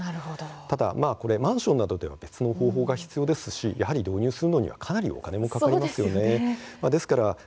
ただマンションなどでは別の方法が必要ですし、導入するにはかなりお金がかかります。